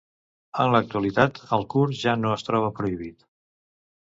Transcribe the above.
En l'actualitat, el kurd ja no es troba prohibit.